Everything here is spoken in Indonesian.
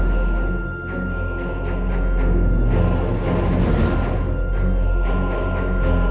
aku nobatkan putraku